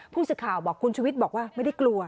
ผู้สื่อข่าวบอกคุณชุวิตบอกว่าไม่ได้กลัว